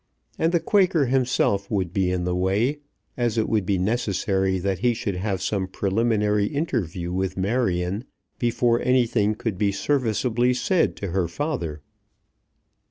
And the Quaker himself would be in the way, as it would be necessary that he should have some preliminary interview with Marion before anything could be serviceably said to her father.